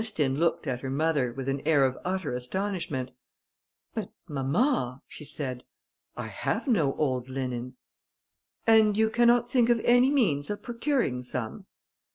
Ernestine looked at her mother, with an air of utter astonishment. "But, mamma," she said, "I have no old linen." "And you cannot think of any means of procuring some?"